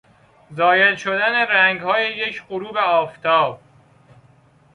زایل شدن رنگهای یک غروب آفتاب